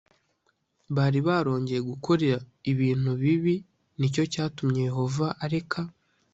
bari barongeye gukora ibintu bibi ni cyo cyatumye yehova areka